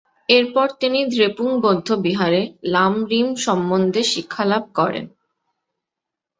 এরপর তিনি দ্রেপুং বৌদ্ধবিহারে লাম-রিম সম্বন্ধে শিক্ষালাভ করেন।